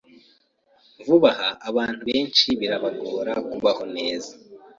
Vuba aha, abantu benshi birabagora kubaho neza.